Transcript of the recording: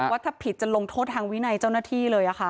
ว่าถ้าผิดจะลงโทษทางวินัยเจ้าหน้าที่เลย